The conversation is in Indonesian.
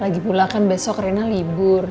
lagi pulakan besok rena libur